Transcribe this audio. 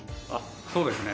そうですね。